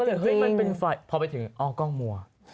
ก็เลยเฮ้ยมันเป็นไฟพอไปถึงอ้อกล้องมัว